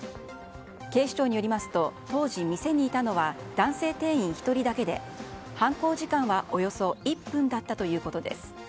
警視庁によりますと当時、店にいたのは男性店員１人だけで犯行時間はおよそ１分だったということです。